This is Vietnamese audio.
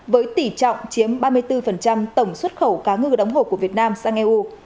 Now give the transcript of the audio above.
với tỷ trọng chiếm ba mươi bốn tổng xuất khẩu cá ngừ đóng hộp của việt nam sang eu